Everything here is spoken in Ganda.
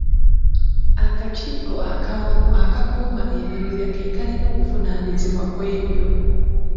Akakiiko ak'awamu akakuuma Ebibira ke kalina obuvunaanyizibwa ku ebyo.